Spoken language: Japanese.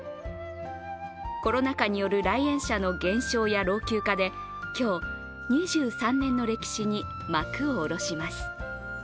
コロナ禍による来園者の減少や老朽化で今日、２３年の歴史に幕を下ろします。